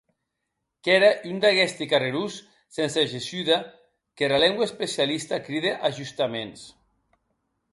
Qu’ère un d’aguesti carrerons sense gessuda qu’era lengua especialista cride ajustaments.